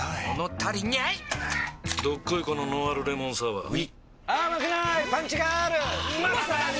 どっこいこのノンアルレモンサワーうぃまさに！